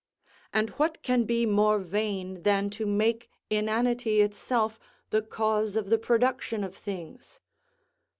And what can be more vain than to make inanity itself the cause of the production of things?